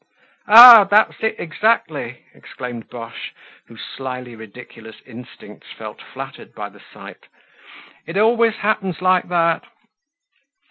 "Ah! that's it exactly!" exclaimed Boche, whose slyly ridiculous instincts felt flattered by the sight. "It always happens like that!"